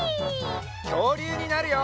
きょうりゅうになるよ！